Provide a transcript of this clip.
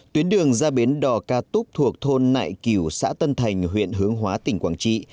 tuyến đường ra bến đò ca túc thuộc thôn nại cửu xã tân thành huyện hướng hóa tỉnh quảng trị